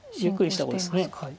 ゆっくりした碁です。